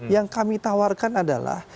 yang kami tawarkan adalah